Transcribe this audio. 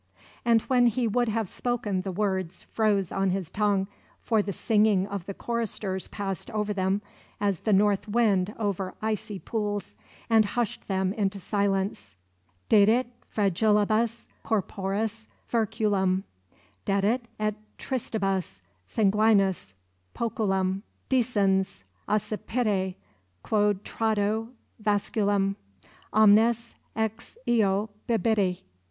And when he would have spoken the words froze on his tongue, for the singing of the choristers passed over them, as the north wind over icy pools, and hushed them into silence: "Dedit fragilibus corporis ferculum, Dedit et tristibus sanguinis poculum, Dicens: Accipite, quod trado vasculum Omnes ex eo bibite."